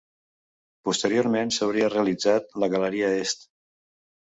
Posteriorment s'hauria realitzat la galeria Est.